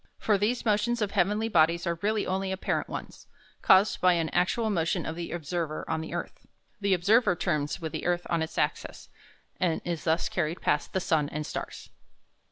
For these motions of the heavenly bodies are really only apparent ones, caused by an actual motion of the observer on the earth. The observer turns with the earth on its axis, and is thus carried past the sun and stars.